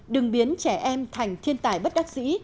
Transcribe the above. đừng biến trẻ em thành thiên tài bất đắc dĩ